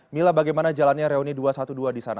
mila bagaimana jalannya reuni dua ratus dua belas di sana